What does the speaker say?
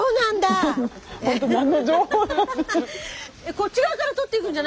こっち側からとっていくんじゃないの？